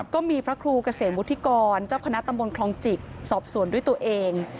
ก็มีพระครูเกษมวุฒิกรเจ้าคณะตำบลคลองจิกสอบสวนด้วยตัวเอง